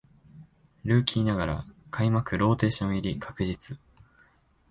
ルーキーながら開幕ローテーション入り確実